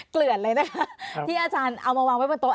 เกลือดเลยนะคะที่อาจารย์เอามาวางไว้บนโต๊